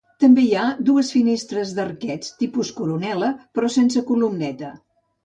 També hi ha dues finestres d'arquets, tipus coronella, però sense columneta.